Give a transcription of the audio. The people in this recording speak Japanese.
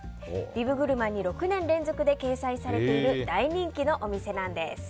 ビブグルマンに６年連続で掲載されている大人気のお店なんです。